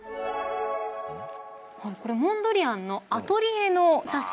これモンドリアンのアトリエの写真なんですが。